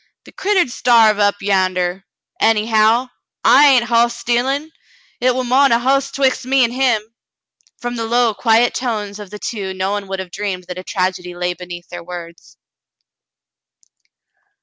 "The critter 'd starve up yander. Anyhow, I ain't hoss stealin'. Hit war mo'n a hoss 'twixt him an' me." From the low, quiet tones of the two no one would have dreamed that a tragedy lay beneath their words.